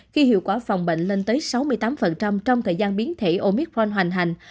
khi hiệu quả phòng bệnh lên tới sáu mươi tám trong thời gian biến thể omicron hoành hành